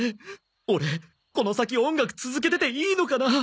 オレこの先音楽続けてていいのかな？